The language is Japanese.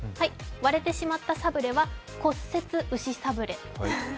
割れてしまったサブレは骨折うしサブレ。